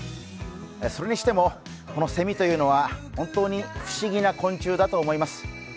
それにしてもセミというのは本当に不思議な昆虫だと思います。